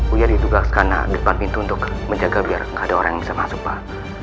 uya ditugas karena depan pintu untuk menjaga biar gak ada orang yang bisa masuk pak